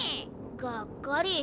がっかり。